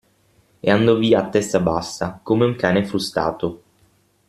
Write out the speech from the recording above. E andò via a testa bassa, come un cane frustato.